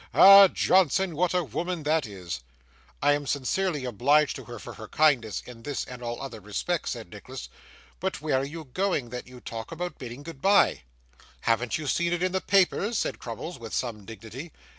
Ah! Johnson, what a woman that is!' 'I am sincerely obliged to her for her kindness in this and all other respects,' said Nicholas. 'But where are you going, that you talk about bidding goodbye?' 'Haven't you seen it in the papers?' said Crummles, with some dignity.